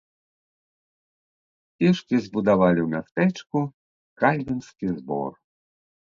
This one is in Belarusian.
Кішкі збудавалі ў мястэчку кальвінскі збор.